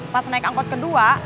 pas naik angkot kedua